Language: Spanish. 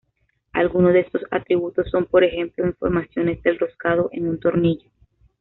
Algunos de estos atributos son por ejemplo informaciones del roscado en un tornillo.